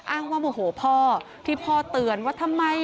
อ้างว่าโมโหพ่อที่พ่อเตือนว่าทำไม